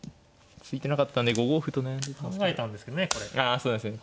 あそうですね。